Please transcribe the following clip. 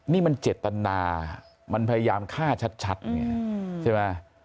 นี่มันเจตนามันพยายามฆ่าชัดไงใช่ไหม